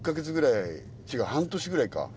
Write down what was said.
違う半年ぐらいか。